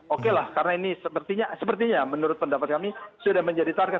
oke lah karena ini sepertinya menurut pendapat kami sudah menjadi target